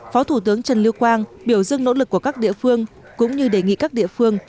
phó thủ tướng trần lưu quang biểu dưng nỗ lực của các địa phương cũng như đề nghị các địa phương